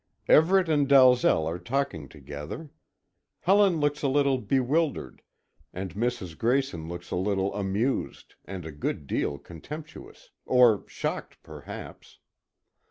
Everet and Dalzel are talking together. Helen looks a little bewildered, and Mrs. Grayson looks a little amused, and a good deal contemptuous or shocked, perhaps.